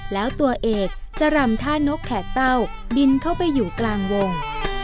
แล้วตัวเอกจะรำท่านกแขกเต้าบินเข้าไปอยู่กลางวง